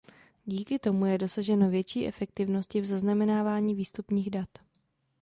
Díky tomu je dosaženo větší efektivnosti v zaznamenávání výstupních dat.